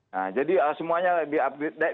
nah jadi semuanya di upgrade